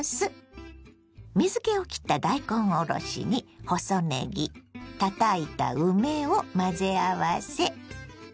水けをきった大根おろしに細ねぎたたいた梅を混ぜ合わせ。